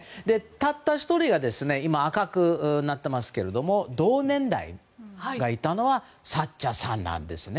たった１人が赤くなっていますけども同年代がいたのはサッチャーさんなんです。